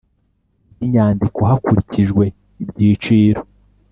bw inyandiko hakurikijwe ibyiciro